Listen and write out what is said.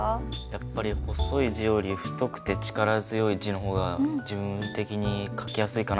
やっぱり細い字より太くて力強い字の方が自分的に書きやすいかなと思ったので。